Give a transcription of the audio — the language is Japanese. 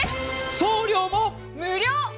送料も無料。